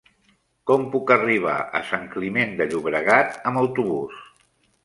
Com puc arribar a Sant Climent de Llobregat amb autobús?